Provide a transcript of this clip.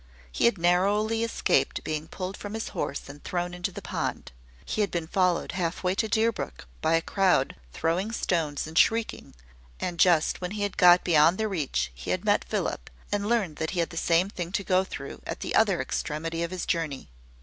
He had narrowly escaped being pulled from his horse and thrown into the pond. He had been followed half way to Deerbrook by a crowd, throwing stones and shrieking; and just when he had got beyond their reach, he had met Philip, and learned that he had the same thing to go through, at the other extremity of his journey.